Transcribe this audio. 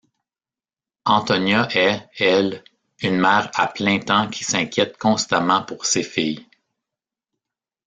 Antonia est, elle, une mère à plein temps qui s'inquiète constamment pour ses filles.